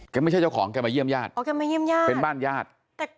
แกไม่ใช่เจ้าของแกมาเยี่ยมญาติเป็นบ้านญาติ